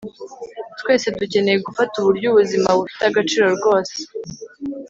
Twese dukeneye gufata uburyo ubuzima bufite agaciro rwose